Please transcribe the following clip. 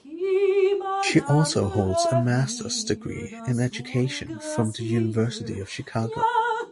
She also holds a master's degree in education from the University of Chicago.